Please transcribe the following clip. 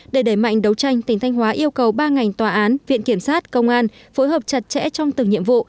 để đẩy mạnh đấu tranh tỉnh thanh hóa yêu cầu ba ngành tòa án viện kiểm sát công an phối hợp chặt chẽ trong từng nhiệm vụ